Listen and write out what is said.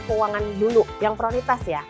keuangan dulu yang prioritas ya